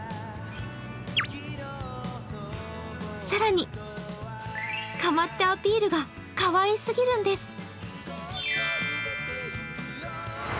更に、かまってアピールがかわいすぎるんです。